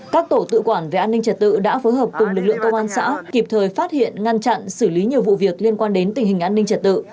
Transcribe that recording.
các tổ tự quản về an ninh trật tự đã phối hợp cùng lực lượng công an xã kịp thời phát hiện ngăn chặn xử lý nhiều vụ việc liên quan đến tình hình an ninh trật tự